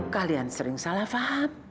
kalian sering salah faham